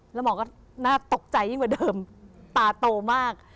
แล้วหมอก็น่าตกใจยิ่งกว่าเดิมตาโตมาก